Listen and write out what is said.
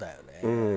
うん。